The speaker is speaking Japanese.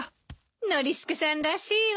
ノリスケさんらしいわね。